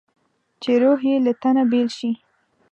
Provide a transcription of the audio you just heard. چې روح یې له تنه بېل شي.